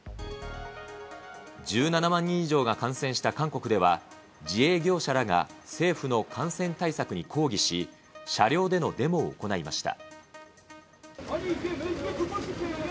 １７万人以上が感染した韓国では、自営業者らが政府の感染対策に抗議し、車両でのデモを行いました。